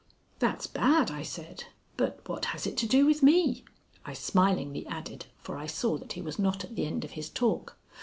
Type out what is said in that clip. "That's bad," I said. "But what has it to do with me?" I smilingly added, for I saw that he was not at the end of his talk.